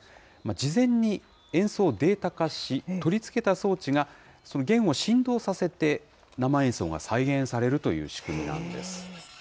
事前に演奏をデータ化し、取り付けた装置が弦を振動させて、生演奏が再現されるという仕組みなんです。